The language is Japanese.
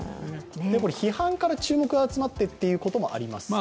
批判から注目が集まってっていうこともありますか？